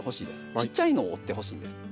ちっちゃいのを折ってほしいんです。